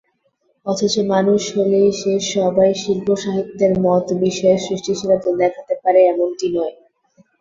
অথচ মানুষ হলেই যে সবাই শিল্প-সাহিত্যের মত বিষয়ে সৃষ্টিশীলতা দেখাতে পারে এমনটি নয়।